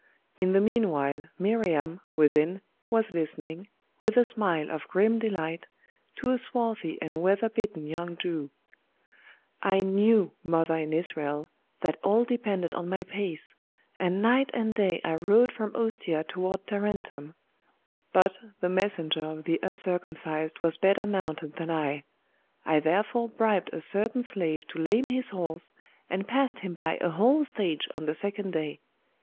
In the meanwhile, Miriam, within, was listening, with a smile of grim delight, to a swarthy and weather beaten young Jew. 'I knew, mother in Israel, that all depended on my pace; and night and day I rode from Ostia toward Tarentum: but the messenger of the uncircumcised was better mounted than I; I therefore bribed a certain slave to lame his horse, and passed him by a whole stage on the second day.